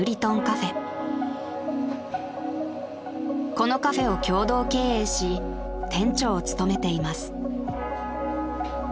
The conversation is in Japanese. ［このカフェを共同経営し店長を務めています］